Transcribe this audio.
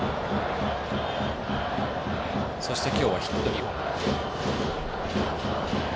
そして、今日はヒット２本。